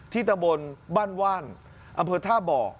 ตะบนบ้านว่านอำเภอท่าบ่อ